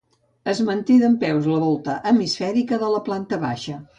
Es manté dempeus la volta hemisfèrica de la planta baixa.